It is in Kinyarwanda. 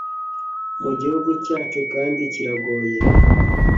mu gihugu cyacu, kandi kiragoye